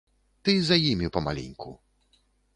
Ты за імі памаленьку.